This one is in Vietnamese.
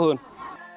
lễ hội xuống đồng